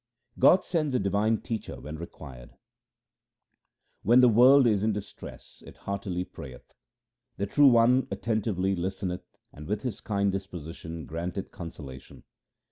God sends a divine teacher when required :— When the world is in distress, it heartily prayeth. The True One attentively listeneth and with His kind disposition 1 granteth consolation